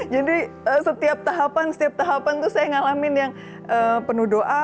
jadi setiap tahapan setiap tahapan tuh saya ngalamin yang penuh doa